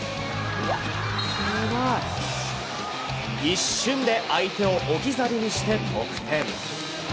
一瞬で相手を置き去りにして得点。